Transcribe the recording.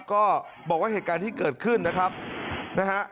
ก็บอกว่าเหตุการณ์ที่เกิดขึ้นนะครับนะฮะ